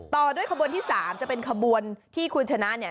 ต่อด้วยขบวนที่๓จะเป็นขบวนที่คุณชนะเนี่ย